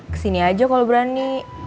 kesini aja kalo berani